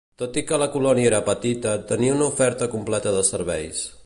Tot i que la colònia era petita, tenia una oferta completa de serveis.